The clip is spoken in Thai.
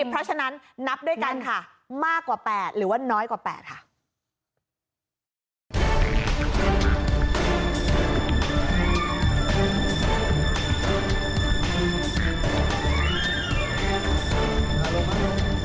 เพราะฉะนั้นนับด้วยกันค่ะมากกว่า๘หรือว่าน้อยกว่า๘ค่ะ